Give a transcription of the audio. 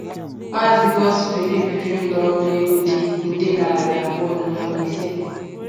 Maazị Godswill Ebirim n'ọnụ ego dị nde naịra abụọ na ụma ise